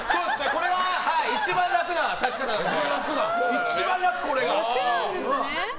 これが一番楽な立ち方です。